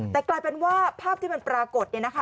แต่กลายเป็นว่าภาพที่มันปรากฏ